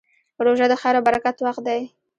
روژه د خیر او برکت وخت دی.